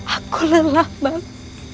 aku lelah bang